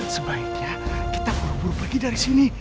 sebaiknya kita buru buru pergi dari sini